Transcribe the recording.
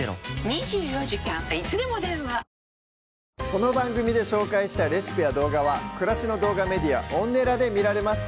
この番組で紹介したレシピや動画は暮らしの動画メディアＯｎｎｅｌａで見られます